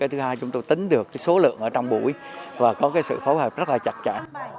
thứ hai chúng tôi tính được số lượng ở trong buổi và có sự phối hợp rất là chặt chẽ